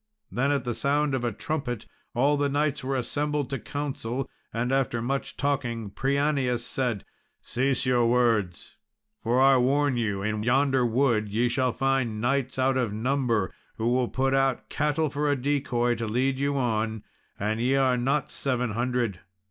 Then, at the sound of a trumpet, all the knights were assembled to council; and after much talking, Prianius said, "Cease your words, for I warn you in yonder wood ye shall find knights out of number, who will put out cattle for a decoy to lead you on; and ye are not seven hundred!"